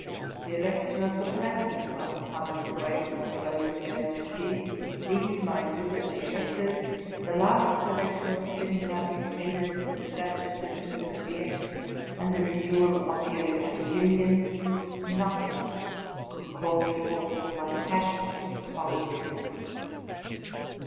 The Elector of the Pala tinate might come and wait on both their majesties ; these might visit the electorss the last electoral sitting might be attended for the despatch of business in arrear, and the re newal of the electoral union, — nothing could call me forth from my passionate solitude.